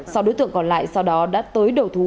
sau đối tượng còn lại sau đó đã tới đầu thú